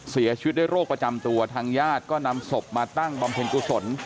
เสียชีวิตด้วยโรคประจำตัวทางญาติก็นำศพมาตั้งบำเพ็ญกุศล